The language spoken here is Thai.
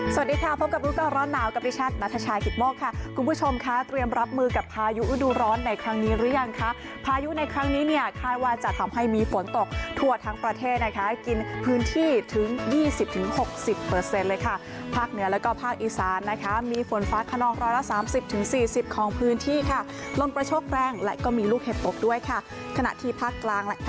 สวัสดีค่ะพบกับลูกร้อนหนาวกับดิฉันนัทชายฮิตมกค่ะคุณผู้ชมค่ะเตรียมรับมือกับพายุอุดูร้อนในครั้งนี้หรือยังค่ะพายุในครั้งนี้เนี่ยคล้ายว่าจะทำให้มีฝนตกทั่วทั้งประเทศนะคะกินพื้นที่ถึง๒๐๖๐เปอร์เซ็นต์เลยค่ะภาคเหนือแล้วก็ภาคอีสานนะคะมีฝนฟ้าขนองร้อยละ๓๐๔๐ของพื้นที่ค่ะล